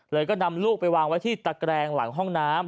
ก็นำลูกไปวางไว้ที่ตะแกรงหลังห้องน้ำ